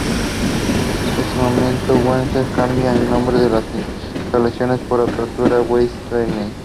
En ese momento Wheatley cambia el nombre de las instalaciones por Aperture Wheatley.